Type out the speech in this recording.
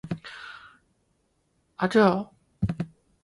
也可以指女性无法完整怀孕的问题。